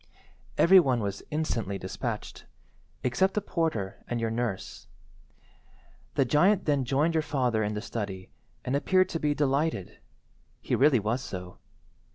"Every one was instantly despatched, except the porter and your nurse. The giant then joined your father in the study, and appeared to be delighted. He really was so.